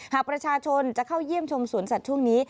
หากประชาชนจะเข้าเยี่ยมชมสวนสัตว์ช่วงนี้